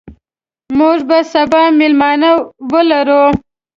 موږ به سبا مېلمانه ولرو.